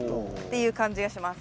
いう感じがします。